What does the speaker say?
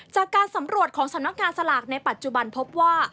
จากการสำรวจของสำนักงานสลากในปัจจุบันพบว่า